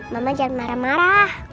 mama jangan marah marah